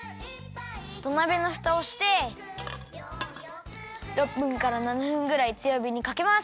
土鍋のふたをして６分から７分ぐらいつよびにかけます。